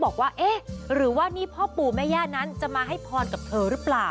บอกว่าเอ๊ะหรือว่านี่พ่อปู่แม่ย่านั้นจะมาให้พรกับเธอหรือเปล่า